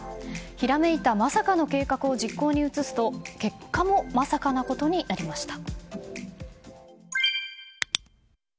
ひらめいた、まさかの計画を実行に移すと結果もまさかなことになりました。